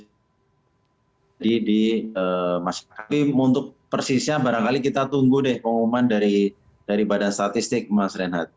jadi di masyarakat ini untuk persisnya barangkali kita tunggu deh pengumuman dari badan statistik mas renat